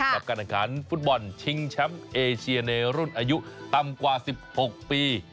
กับการแข่งขันฟุตบอลชิงแชมป์เอเชียในรุ่นอายุต่ำกว่า๑๖ปี